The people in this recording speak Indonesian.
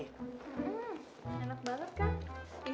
enak banget kan